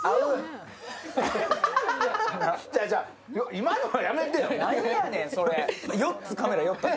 今のはやめてよ。